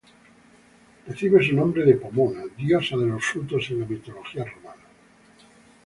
Recibe su nombre de Pomona, diosa de los frutos en la mitología romana.